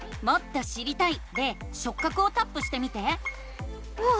「もっと知りたい」で「しょっ角」をタップしてみて。